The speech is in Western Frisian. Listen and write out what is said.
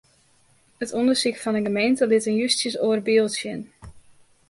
It ûndersyk fan 'e gemeente lit in justjes oar byld sjen.